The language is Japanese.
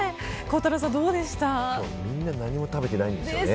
今日みんな何も食べていないんですよね。